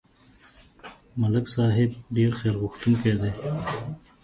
ملک صاحب ډېر خیرغوښتونکی دی.